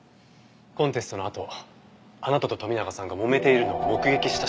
コンテストのあとあなたと富永さんがもめているのを目撃した人がいます。